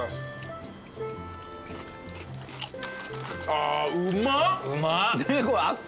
あうまっ。